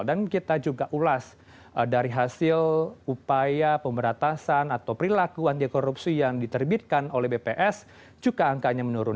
dan kita juga ulas dari hasil upaya pemberatasan atau perilaku anti korupsi yang diterbitkan oleh bps juga angkanya menurun